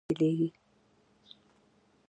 وزې له خپلو سره نه بیلېږي